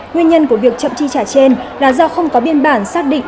nguyên nhân của việc chậm chi trả trên là do không có biên bản xác định